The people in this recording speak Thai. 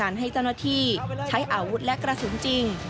ใช้อาวุธและกระสุนจริง